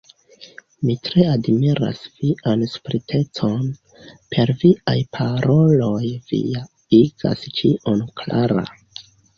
Mi tre admiras vian spritecon; per viaj paroloj vi ja igas ĉion klara.